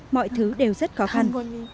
mọi thứ đều rất khó khăn